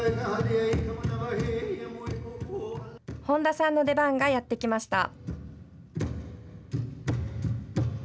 本多さんの出番がやって来ました。